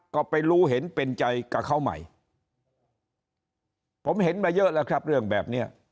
ก็ไปรู้เห็นเป็นใจกับเขาใหม่ผมเห็นมาเยอะแล้วครับเรื่องแบบเนี้ย